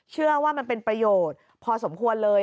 เชื่อว่ามันเป็นประโยชน์พอสมควรเลย